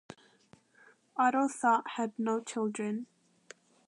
Otto Thott had no children.